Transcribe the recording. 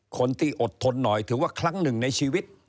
คนที่อดทนหน่อยถือว่าครั้งหนึ่งในชีวิต